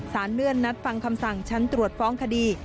เลื่อนนัดฟังคำสั่งชั้นตรวจฟ้องคดี